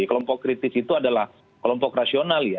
kelompok kritis itu adalah kelompok rasional ya